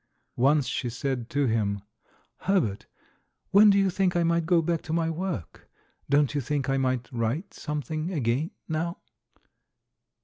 Once she said to him: "Herbert, when do you think I might go back to my work? Don't you think I might write something again now?"